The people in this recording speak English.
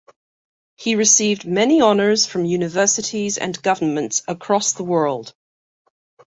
He received many honours from universities and governments across the world.